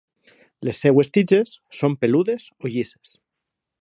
Les seves tiges són peludes o llises.